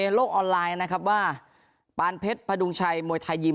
โลกออนไลน์นะครับว่าปานเพชรพดุงชัยมวยไทยยิม